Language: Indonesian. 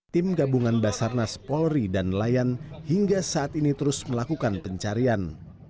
tim gabungan basarnas polri dan nelayan hingga saat ini terus melakukan pencarian